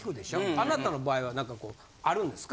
あなたの場合は何かこうあるんですか？